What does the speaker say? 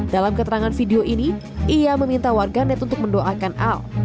dalam keterangan video ini ia meminta warganet untuk mendoakan al